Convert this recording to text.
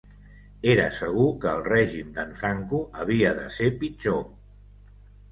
Era segur que el règim d'en Franco havia de ser pitjor